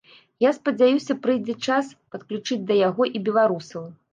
Я спадзяюся прыйдзе час падключыць да яго і беларусаў.